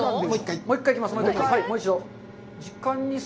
もう一回、行きます。